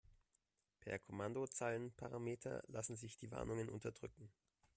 Per Kommandozeilenparameter lassen sich die Warnungen unterdrücken.